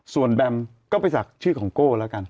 ส่วนแบมก็ไปศักดิ์ชื่อของโก้แล้วกัน